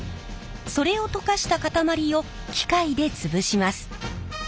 それを溶かした塊を機械で潰します。